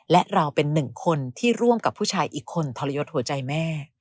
และเราเป็นหนึ่งคนที่ร่วมกับผู้ชายอีกคนทรยศหัวใจแม่